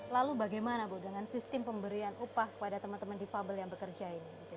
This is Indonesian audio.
lalu bagaimana dengan sistem pemberian upah kepada teman teman di fabel yang bekerja ini